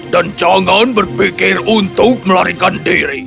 dan jangan berpikir untuk melarikan diri